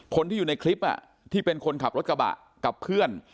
คนที่อยู่ในคลิปที่เป็นคนขับรถกระบะกับเพื่อน